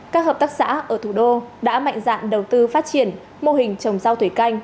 các hợp tác xã ở thủ đô đã mạnh dạn đầu tư phát triển mô hình trồng rau thủy canh